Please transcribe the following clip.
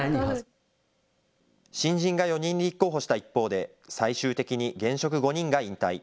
新人が４人立候補した一方で、最終的に現職５人が引退。